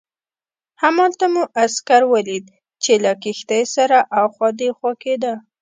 همالته مو عسکر ولید چې له کښتۍ سره اخوا دیخوا کېده.